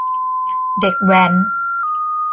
เด็กแว้น